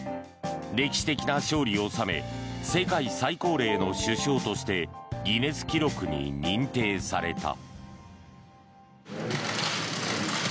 歴史的な勝利を収め世界最高齢の首相としてギネス記録に認定された。